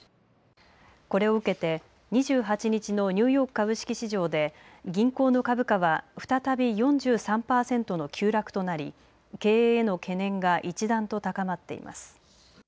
これを受けて２８日のニューヨーク株式市場で銀行の株価は再び４３％の急落となり経営への懸念が一段と高まっています。